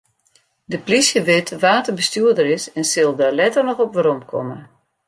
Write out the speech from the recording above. De plysje wit wa't de bestjoerder is en sil dêr letter noch op weromkomme.